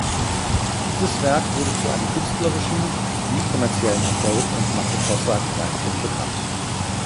Dieses Werk wurde zu einem künstlerischen wie kommerziellen Erfolg und machte Kossak weithin bekannt.